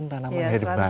itu tanaman herbal